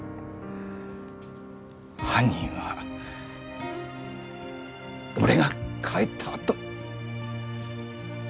犯人は俺が帰ったあと。